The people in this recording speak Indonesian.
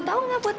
jangan inget n